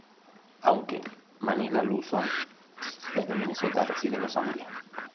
Aunque Manila Luzon es de Minesota, reside en Los Ángeles.